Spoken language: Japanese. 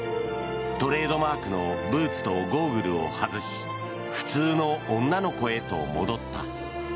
トレードマークのブーツとゴーグルを外し普通の女の子へと戻った。